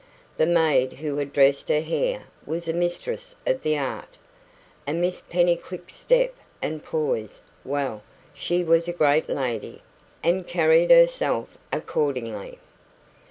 The maid who had dressed her hair was a mistress of the art. And Miss Pennycuick's step and poise well, she WAS a great lady, and carried herself accordingly.